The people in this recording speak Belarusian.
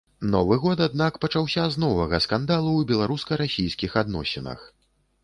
Новы год, аднак, пачаўся з новага скандалу ў беларуска-расійскіх адносінах.